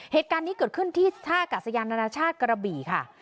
เหตุการณ์นี้เกิดขึ้นที่ท่ากาศยานานาชาติกระบี่ค่ะ